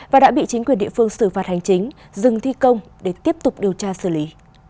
và đã bị chính quyền địa phương xử phạt hành chính dừng thi công để tiếp tục điều tra xử lý